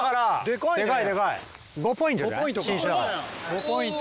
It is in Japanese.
５ポイント。